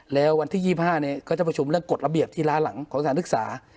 แล้ววันที่๒๕เขาจะประชุมเรื่องกฎระเบียบที่ล้าหลังของสถานศึกษา